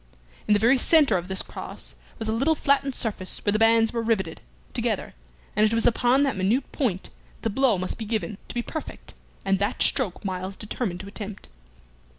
In the very centre of this cross was a little flattened surface where the bands were riveted together, and it was upon that minute point that the blow must be given to be perfect, and that stroke Myles determined to attempt.